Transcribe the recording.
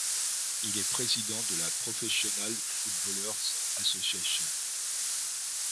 Il est président de la Professional Footballers' Association.